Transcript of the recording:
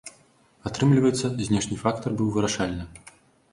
Атрымліваецца, знешні фактар быў вырашальным.